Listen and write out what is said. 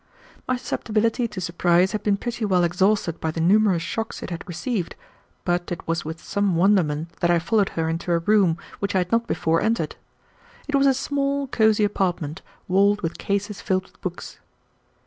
My susceptibility to surprise had been pretty well exhausted by the numerous shocks it had received, but it was with some wonderment that I followed her into a room which I had not before entered. It was a small, cosy apartment, walled with cases filled with books.